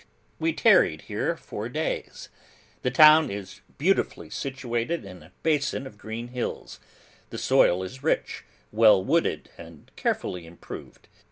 We tarried here, four days. The town is beautifully situated in a basin of green hills; the soil is rich, well wooded, and carefully improved.